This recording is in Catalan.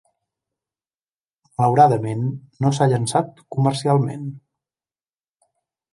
Malauradament, no s'ha llançat comercialment.